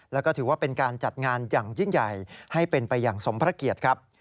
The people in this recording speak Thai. แล้วก็ถือว่าเป็นการจัดงานอย่างยิ่งใหญ่ให้เป็นไปอย่างสมพระเกียรติครับ